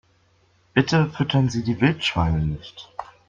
Bitte füttern Sie die Wildschweine nicht!